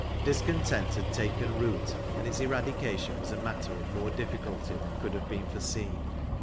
Discontent had taken root, and its eradication was a matter of more difficulty than could have been foreseen.